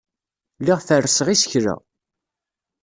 Lliɣ ferrseɣ isekla.